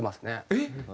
えっ？